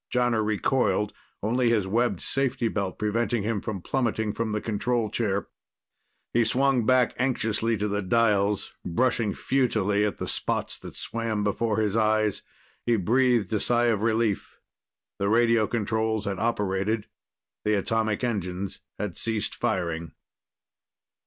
Jonner recoiled, only his webbed safety belt preventing him from plummeting from the control chair. He swung back anxiously to the dials, brushing futilely at the spots that swam before his eyes. He breathed a sigh of relief. The radio controls had operated. The atomic engines had ceased firing.